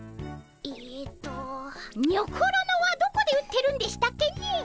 えっとにょころのはどこで売ってるんでしたっけねえ。